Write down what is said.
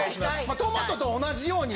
トマトと同じように。